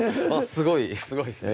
すごいすごいですね